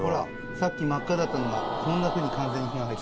さっき真っ赤だったのがこんなふうに完全に火が入ってますね。